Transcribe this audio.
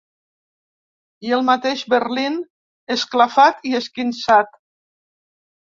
I el mateix Berlín esclafat i esquinçat.